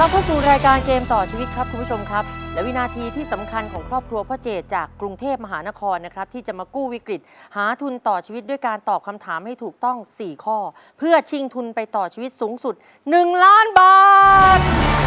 เพื่อชิงทุนไปต่อชีวิตสูงสุด๑ล้านบาท